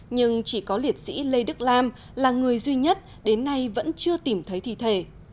nhưng chỉ có liệt sĩ lê đức lam là người duy nhất đến nay vẫn chưa tìm thấy thi thể